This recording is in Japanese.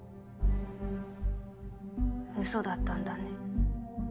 ウソだったんだね。